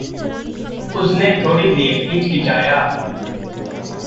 उसने थोड़ी देर हिचकिचाया।